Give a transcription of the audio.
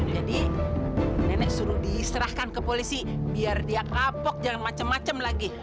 jadi nenek suruh diserahkan ke polisi biar dia kapok jangan macem macem lagi